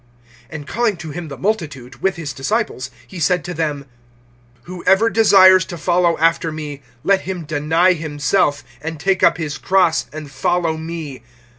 (34)And calling to him the multitude, with his disciples, he said to them: Whoever desires to follow after me, let him deny himself, and take up his cross, and follow me.